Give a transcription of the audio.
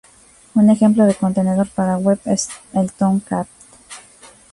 Un ejemplo de contenedor para web es el Tomcat.